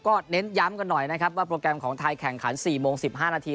ก็เน้นย้ำกันหน่อยนะครับว่าโปรแกรมของไทยแข่งขัน๔โมง๑๕นาที